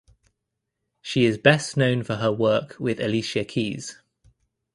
She is best known for her work with Alicia Keys.